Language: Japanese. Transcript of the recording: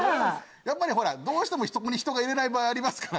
やっぱりほらどうしてもそこに人がいれない場合ありますからね。